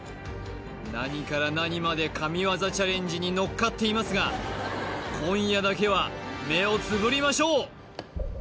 何から何まで神業チャレンジに乗っかっていますが今夜だけは目をつぶりましょう！